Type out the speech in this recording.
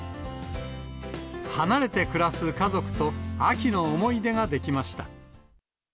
離れて暮らす家族と秋の思い出が出来ました。